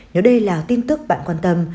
nếu đây là tin tức bạn quan tâm